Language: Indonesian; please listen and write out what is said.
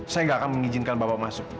saya gak akan mengizinkan bapak masuk